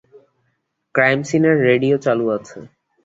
Crime সিনের radio চালু আছে।